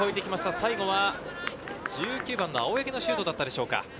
最後は１９番の青柳のシュートだったでしょうか。